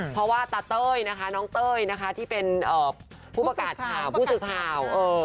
เพราะว่าตะเต้ยน้องเต้ยที่เป็นผู้ประกาศข่าว